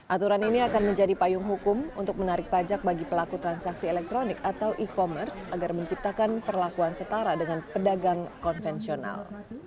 aturan ini akan menjadi payung hukum untuk menarik pajak bagi pelaku transaksi elektronik atau e commerce agar menciptakan perlakuan setara dengan pedagang konvensional